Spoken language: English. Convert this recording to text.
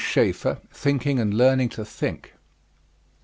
SCHAEFFER, Thinking and Learning to Think.